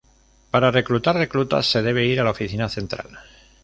Para reclutar reclutas se debe ir a la oficina central.